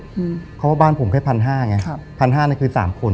อืมเขาบอกบ้านผมแค่พันห้าไงครับพันห้าน่ะคือสามคน